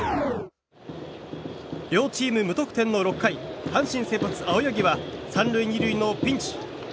両チーム無得点の６回阪神先発、青柳は３塁２塁のピンチ。